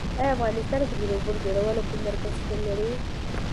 ایا په افغانستان کې د روبوټ جوړولو کوم مرکز شتون لري؟